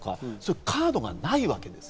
カードがないわけです。